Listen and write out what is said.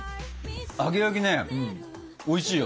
揚げ焼きねおいしいよ。